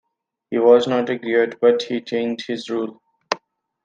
He wasn't a griot, but he changed this rule.